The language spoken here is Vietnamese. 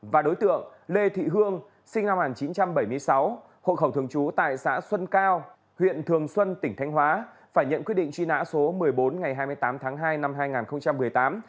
và đối tượng lê thị hương sinh năm một nghìn chín trăm bảy mươi sáu hộ khẩu thường trú tại xã xuân cao huyện thường xuân tỉnh thanh hóa phải nhận quyết định truy nã số một mươi bốn ngày hai mươi tám tháng hai năm hai nghìn một mươi tám